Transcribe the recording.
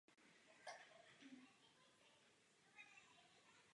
Slabě zastoupena je v Malých Karpatech a západní části Tater.